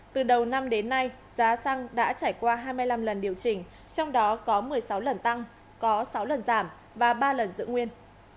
từ đầu năm đến nay giá xăng đã trải qua hai mươi năm lần điều chỉnh trong đó có một mươi sáu lần tăng có sáu lần giảm và ba lần giữ nguyên